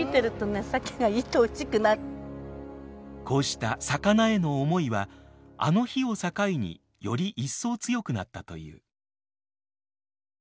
こうした魚への思いはあの日を境により一層強くなったという。